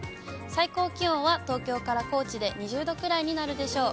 最高気温は東京から高知で２０度くらいになるでしょう。